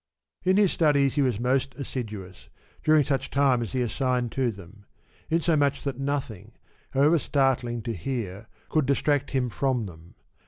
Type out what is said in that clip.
In his studies he was most assiduous, during such time as he assigned to them ; in so much that nothing, however startling to hear, could distract him from them.